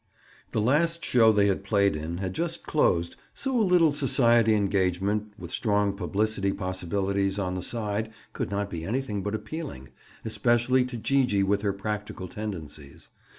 The last show they had played in, had just closed, so a little society engagement, with strong publicity possibilities, on the side, could not be anything but appealing, especially to Gee gee with her practical tendencies.